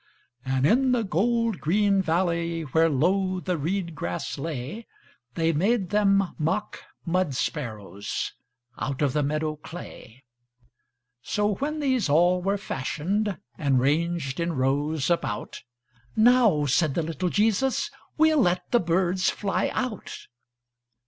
And in the gold green valley, Where low the reed grass lay, They made them mock mud sparrows Out of the meadow clay. So, when these all were fashioned, And ranged in rows about, "Now," said the little Jesus, "We'll let the birds fly out."